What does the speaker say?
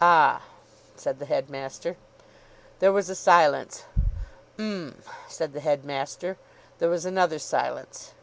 "Ah!" said the headmaster. There was a silence. "'M!" said the headmaster. There was another silence.